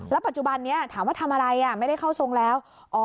ปัจจุบันนี้ถามว่าทำอะไรไม่ได้เข้าทรงแล้ว